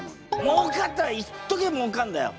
もうかってはいっときはもうかんだよ。